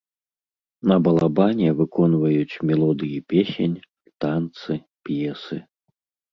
На балабане выконваюць мелодыі песень, танцы, п'есы.